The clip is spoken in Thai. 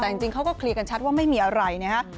แต่จริงเขาก็เคลียร์กันชัดว่าไม่มีอะไรนะฮะ